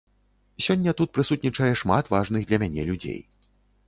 Сёння тут прысутнічае шмат важных для мяне людзей.